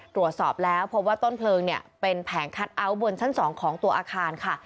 ตรวจสอบแล้วพบว่าต้นเพลิงเนี่ยเป็นแผงคัทเอาท์บนชั้น๒ของตัวอาคารค่ะ